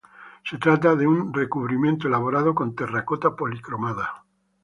Se trata de un recubrimiento elaborado con terracota policromada.